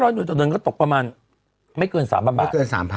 ๕๐๐หน่วยต่อเดือนก็ตกประมาณไม่เกิน๓๐๐๐บาท